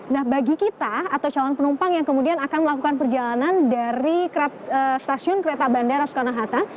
nah bagi kita atau calon penumpang yang kemudian akan melakukan perjalanan dari stasiun kereta bandara soekarno hatta